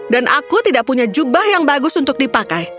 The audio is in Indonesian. aku tidak punya jubah yang bagus untuk dipakai